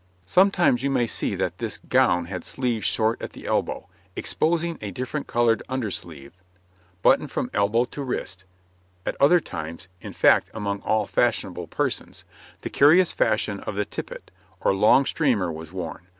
Sometimes you may see that this gown had sleeves short at the elbow, exposing a different coloured under sleeve, buttoned from elbow to wrist; at other times in fact, among all fashionable persons the curious fashion of the tippet, or long streamer, was worn.